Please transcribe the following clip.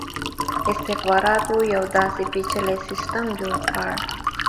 استخباراتو یو داسي پېچلی سسټم جوړ کړ.